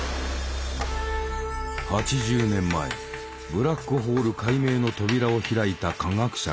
８０年前ブラックホール解明の扉を開いた科学者がいた。